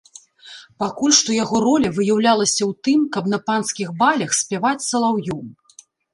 Пакуль што яго роля выяўлялася ў тым, каб на панскіх балях спяваць салаўём.